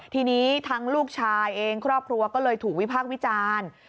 ทีนี้ทั้งลูกชายเองครอบครัวก็เลยถูกวิพากษ์วิจารณ์